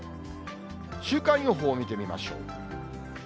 週間予報を見てみましょう。